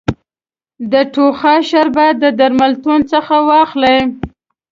د ټوخا شربت د درملتون څخه واخلی